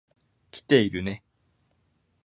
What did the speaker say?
来ているね。